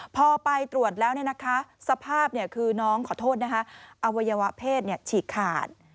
พอไปตรวจแล้วสภาพคือน้องขอโทษนะคะอวัยวะเพศฉีกขาด